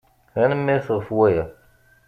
Tanemmirt ɣef waya.